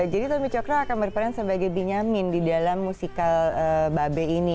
tommy cokro akan berperan sebagai benyamin di dalam musikal babe ini